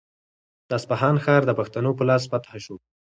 د اصفهان ښار د پښتنو په لاس فتح شو.